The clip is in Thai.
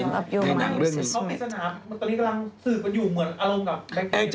เขาไปสนามตอนนี้กำลังสืบไปอยู่เหมือนอารมณ์กับ